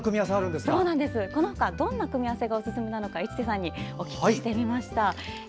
このほか、どんな組み合わせがおすすめなのか市瀬さんに教えていただきました。